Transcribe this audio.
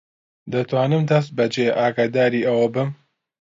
دەتوانم دەستبەجێ ئاگاداری ئەوە بم.